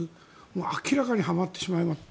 明らかにはまってしまった。